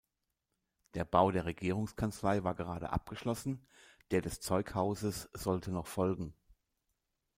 Der Bau der Regierungskanzlei war gerade abgeschlossen, der des Zeughauses sollte noch folgen.